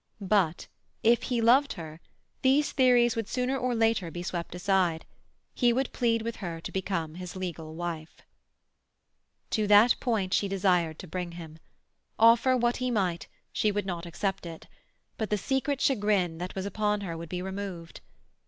But, if he loved her, these theories would sooner or later be swept aside; he would plead with her to become his legal wife. To that point she desired to bring him. Offer what he might, she would not accept it; but the secret chagrin that was upon her would be removed.